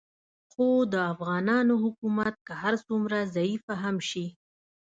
خو د افغانانو حکومت که هر څومره ضعیفه هم شي